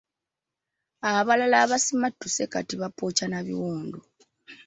Abalala abasimattuse kati bapookya n'abiwundu.